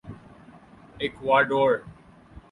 Ecuador